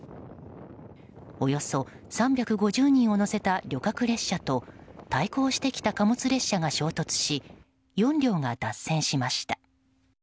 およそ３５０人を乗せた旅客列車と対向してきた貨物列車が衝突し４両が脱線しました。